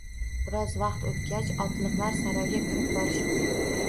Biroz vaqt o‘tgach, otliqlar saroyga kirib borishibdi